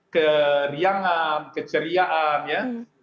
keriangan keceriaan ya